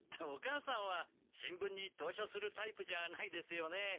お母さんは新聞に投書するタイプじゃないですよね。